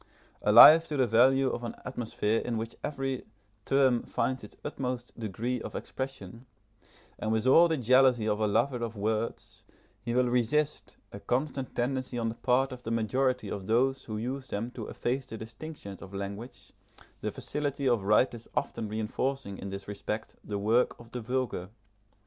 Alive to the value of an atmosphere in which every term finds its utmost degree of expression, and with all the jealousy of a lover of words, he will resist a constant tendency on the part of the majority of those who use them to efface the distinctions of language, the facility of writers often reinforcing in this respect the work of the vulgar.